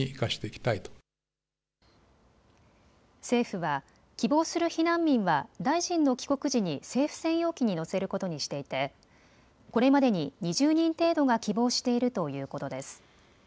政府は、希望する避難民は大臣の帰国時に政府専用機に乗せることにしていてこれまでに２０人程度が希望しているということです。